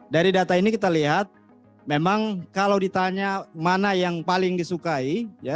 dari data ini kita lihat memang kalau ditanya mana yang paling disukai